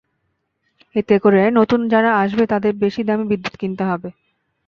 এতে করে নতুন যারা আসবে তাদের বেশি দামে বিদ্যুৎ কিনতে হবে।